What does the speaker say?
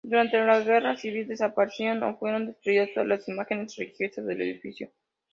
Durante la Guerra Civil, desaparecieron o fueron destruidas todas las imágenes religiosas del edificio.